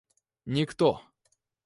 никто